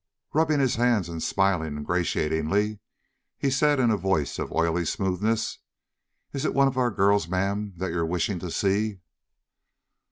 Rubbing his hands, and smiling ingratiatingly, he said in a voice of oily smoothness: "Is it one of our girls, ma'am, that you're wishing to see?"